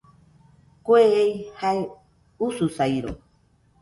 Kue ei jae ususairo